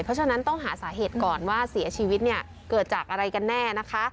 เพราะฉะนั้นต้องหาสาเหตุก่อนว่าเสียชีวิตเนี่ยเกิดจากอะไรกันแน่นะคะ